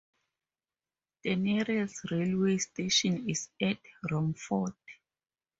The nearest railway station is at Romford.